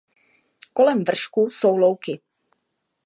Kolem vršku jsou louky.